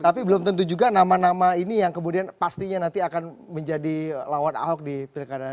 tapi belum tentu juga nama nama ini yang kemudian pastinya nanti akan menjadi lawan ahok di pilkada